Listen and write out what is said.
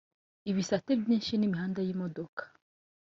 ibisate byinshi n'imihanda y'imodoka.